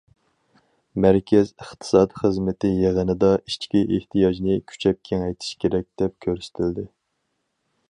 مەركەز ئىقتىساد خىزمىتى يىغىنىدا ئىچكى ئېھتىياجنى كۈچەپ كېڭەيتىش كېرەك، دەپ كۆرسىتىلدى.